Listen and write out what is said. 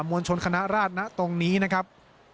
มวลชนคณะราชนะตรงนี้นะครับ